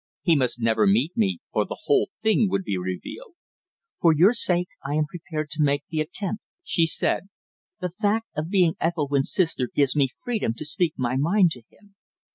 He must never meet me, or the whole thing would be revealed." "For your sake I am prepared to make the attempt," she said. "The fact of being Ethelwynn's sister gives me freedom to speak my mind to him."